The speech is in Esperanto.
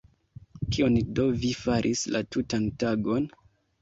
Kion do vi faris la tutan tagon?